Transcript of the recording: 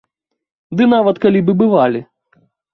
Ды нават калі б і бывалі!